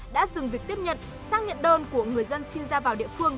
đã dừng việc tiếp nhận xác nhận đơn của người dân xin ra vào địa phương